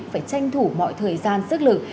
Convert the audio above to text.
phải tranh thủ mọi thời gian sức lực